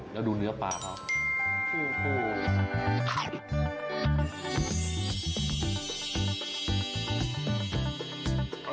แล้วดูเนื้อปลาเขา